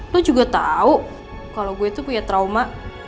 lu juga tahu kalau gue tuh punya trauma